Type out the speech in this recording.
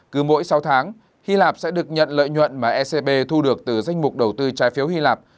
cứ mỗi sáu tháng hy lạp sẽ được nhận lợi nhuận mà ecb thu được từ danh mục đầu tư trái phiếu hy lạp